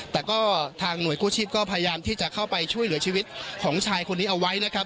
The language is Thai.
แต่ก็ทางหน่วยกู้ชีพก็พยายามที่จะเข้าไปช่วยเหลือชีวิตของชายคนนี้เอาไว้นะครับ